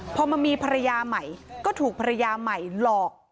พอมามีภรรยาใหม่ก็ถูกภรรยาใหม่หลอก